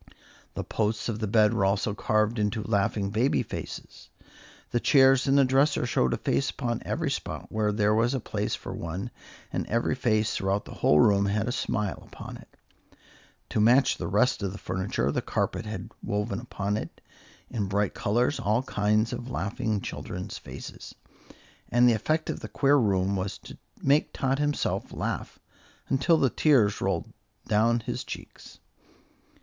The posts of the bed were also carved into laughing baby faces; the chairs and the dresser showed a face upon every spot where there was a place for one, and every face throughout the whole room had a smile upon it. To match the rest of the furniture, the carpet had woven upon it in bright colors all kinds of laughing children's faces, and the effect of the queer room was to make Tot himself laugh until the tears roll down his cheeks.